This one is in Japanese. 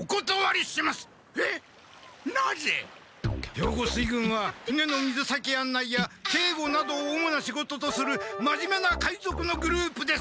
兵庫水軍は船の水先あんないやけいごなどを主な仕事とするまじめな海賊のグループです。